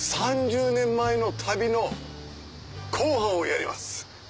３０年前の旅の後半をやります！